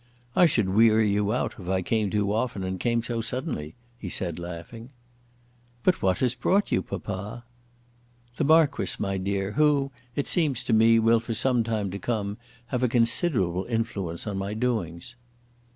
"I should weary you out if I came too often and came so suddenly," he said, laughing. "But what has brought you, papa?" "The Marquis, my dear, who, it seems to me, will, for some time to come, have a considerable influence on my doings."